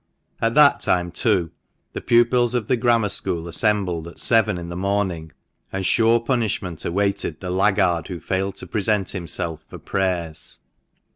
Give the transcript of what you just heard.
At that time, too, the pupils of the Grammar School assembled at seven in the morning, and sure punishment awaited the laggard who failed to present himself for prayers.